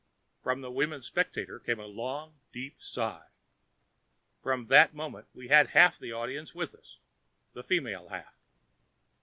From the women spectators came a long, deep sigh. From that moment, we had half the audience with us the female half.